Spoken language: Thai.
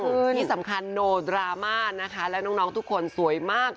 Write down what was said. คือที่สำคัญโนดราม่านะคะและน้องทุกคนสวยมาก